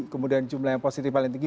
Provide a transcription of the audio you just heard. kemudian jumlah yang positif paling tinggi